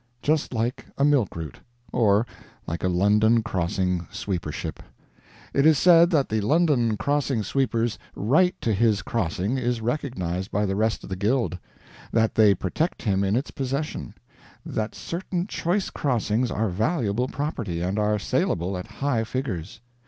Just like a milk route; or like a London crossing sweepership. It is said that the London crossing sweeper's right to his crossing is recognized by the rest of the guild; that they protect him in its possession; that certain choice crossings are valuable property, and are saleable at high figures.